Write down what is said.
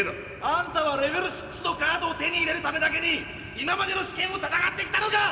あんたはレベル６のカードを手に入れるためだけに今までの試験を戦ってきたのか！